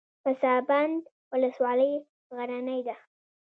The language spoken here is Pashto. پسابند ولسوالۍ غرنۍ ده؟